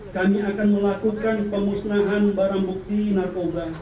kami akan melakukan pemusnahan barang bukti narkoba